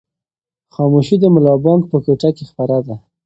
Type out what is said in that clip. خاموشي د ملا بانګ په کوټه کې خپره ده.